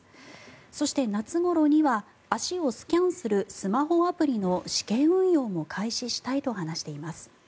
そして、夏ごろには足をスキャンするスマホアプリの試験運用も開始したいと話しています。